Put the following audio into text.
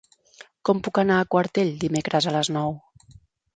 Com puc anar a Quartell dimecres a les nou?